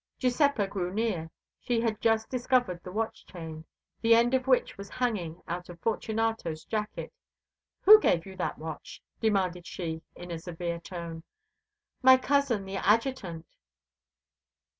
Giuseppa drew near. She had just discovered the watch chain, the end of which was hanging out of Fortunato's jacket. "Who gave you that watch?" demanded she in a severe tone. "My cousin, the Adjutant."